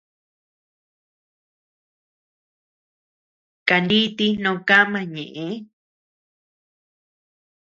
Kaniti noo kama ñeʼe.